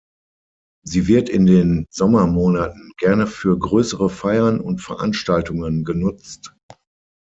Sie wird in den Sommermonaten gerne für größere Feiern und Veranstaltungen genutzt.